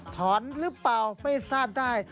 ถอนหรือเปล่าไม่ทราบได้